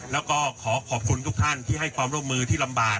แล้วก็ขอขอบคุณทุกท่านที่ให้ความร่วมมือที่ลำบาก